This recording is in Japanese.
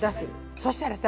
そしたらさ